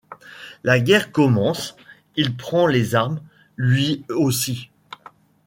La guerre commence, il prend les armes, lui aussi.